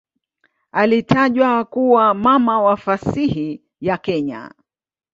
Alitajwa kuwa "mama wa fasihi ya Kenya".